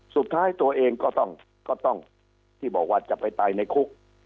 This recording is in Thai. สุดท้ายตัวเองก็ต้องที่บอกว่าจะไปตายในคุก